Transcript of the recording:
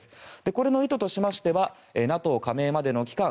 これの意図としましてはＮＡＴＯ加盟までの期間